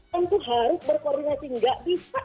tentu harus berkoordinasi nggak bisa